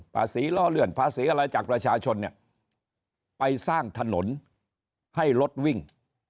ภาษีล่อเลื่อนภาษีอะไรจากประชาชนเนี่ยไปสร้างถนนให้รถวิ่ง